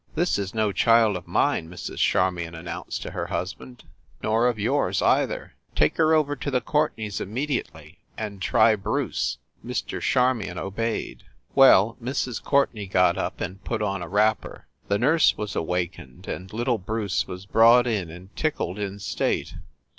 "This is no child of mine!" Mrs. Charmion an nounced to her husband, "nor of yours either. Take her over to the Courtenays immediately and try; Bruce !" Mr. Charmion obeyed. Well, Mrs. Courtenay got up and put on a wrap per; the nurse was awakened, and little Bruce was brought in and tickled in state.